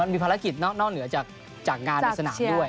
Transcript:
มีภารกิจนอกเหนือจากงานในสนามด้วย